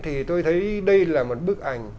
thì tôi thấy đây là một bức ảnh